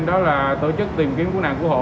đó là tổ chức tìm kiếm của nạn của hộ